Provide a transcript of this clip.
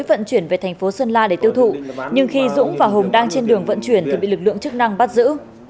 vận chuyển về thành phố sơn la để tiêu thụ nhưng khi dũng và hùng đang trên đường vận chuyển thì bị lực lượng chức năng bắt giữ